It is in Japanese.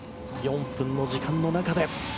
４分の時間の中で。